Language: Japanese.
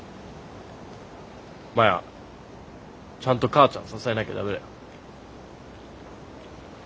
マヤちゃんと母ちゃん支えなきゃ駄目だよ。